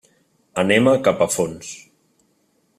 Anem a Capafonts.